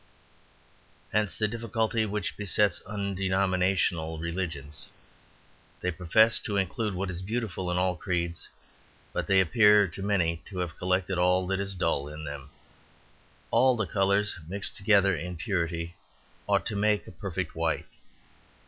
Hence the difficulty which besets "undenominational religions." They profess to include what is beautiful in all creeds, but they appear to many to have collected all that is dull in them. All the colours mixed together in purity ought to make a perfect white.